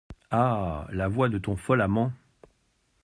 Ah ! la voix de ton fol amant !